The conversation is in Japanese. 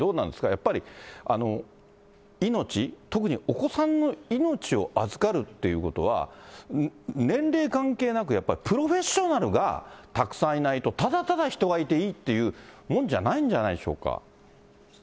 やっぱり命、特にお子さんの命を預かるっていうことは、年齢関係なく、やっぱりプロフェッショナルがたくさんいないと、ただただ人がいていいっていうもんじゃないんじゃないでしょうか。